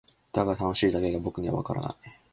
だが「楽しい」だけが僕にはわからない。